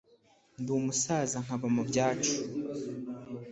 Ndi umusaza nkaba mu byacu,